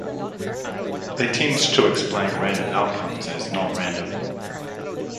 They tend to explain random outcomes as non-random.